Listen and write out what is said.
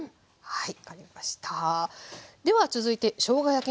はい。